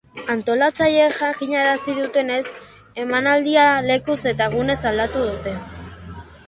Antolatzaileek jakinarazi dutenez, emanaldia lekuz eta egunez aldatu dute.